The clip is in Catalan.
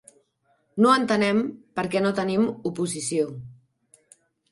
No entenem per què no tenim oposició.